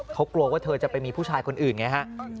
เขากลัวว่าเธอจะไปมีผู้ชายคนอื่นไงฮะ